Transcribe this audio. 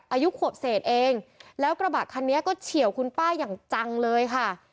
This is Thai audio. อายุขวบเศษเองแล้วกระบะคันนี้ก็เฉียวคุณป้าอย่างจังเลยค่ะ